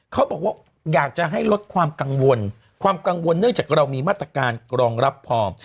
เขาบอกว่าอยากจะให้ลดความกังวลความกังวลเนื่องจากเรามีมาตรการกรองรับพร้อม